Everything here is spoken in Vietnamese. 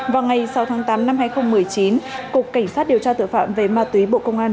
vào ngày sáu tháng tám năm hai nghìn một mươi chín cục cảnh sát điều tra tội phạm về ma túy bộ công an